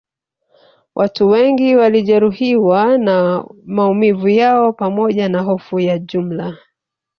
Watu wengi walijeruhiwa na maumivu yao pamoja na hofu ya jumla